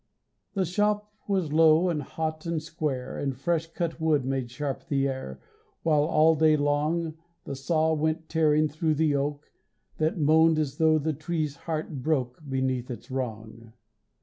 The shop was low and hot and square, And fresh cut wood made sharp the air, While all day long The saw went tearing thru the oak That moaned as tho' the tree's heart broke Beneath its wrong.